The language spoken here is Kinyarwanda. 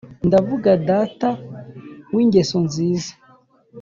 ndavuga data w' ingeso nziza